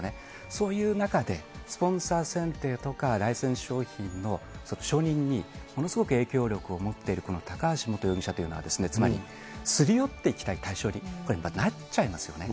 そういう中で、スポンサー選定とかライセンス商品の承認にものすごく影響力を持っている高橋容疑者というのは、つまりすり寄っていきたい対象になっちゃいますよね。